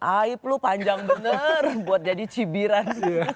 aib lu panjang bener buat jadi cibiran